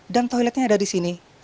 dan toiletnya ada disini